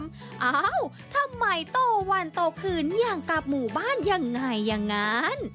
เอ้าทำไมโตวันโตคืนอย่างกลับหมู่บ้านยังไงอย่างนั้น